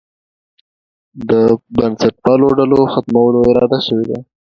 د بنسټپالو ډلو د ختمولو اراده شوې وه.